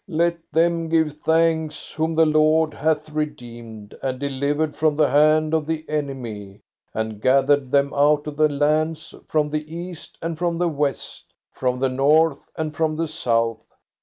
"'Let them give thanks whom the Lord hath redeemed and delivered from the hand of the enemy, and gathered them out of the lands, from the east, and from the west, from the north, and from the south.